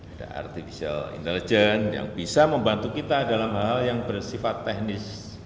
ada artificial intelligence yang bisa membantu kita dalam hal yang bersifat teknis